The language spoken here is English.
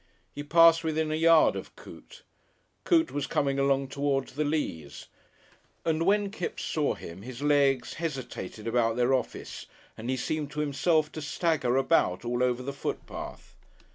He passed within a yard of Coote. Coote was coming along towards the Leas, and when Kipps saw him his legs hesitated about their office and he seemed to himself to stagger about all over the footpath.